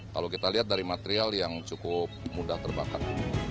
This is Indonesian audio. kalau kita lihat dari material yang cukup mudah terbakar